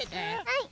はい。